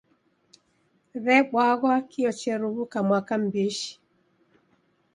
W'ebwaghwa kio cheruw'uka mwaka m'bishi.